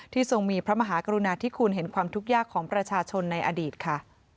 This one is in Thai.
ทรงมีพระมหากรุณาธิคุณเห็นความทุกข์ยากของประชาชนในอดีตค่ะ